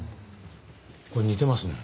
これ似てますね。